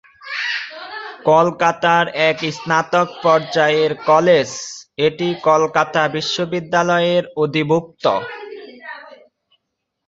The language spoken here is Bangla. কলকাতার এক স্নাতক পর্যায়ের কলেজ, এটি কলকাতা বিশ্ববিদ্যালয়ের অধিভুক্ত।